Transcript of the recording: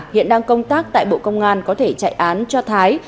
hiện đang công tác tại bộ công an có thể chạy án cho thái